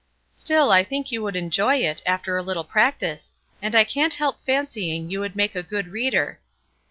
"Still I think you would enjoy it, after a little practice, and I can't help fancying you would make a good reader."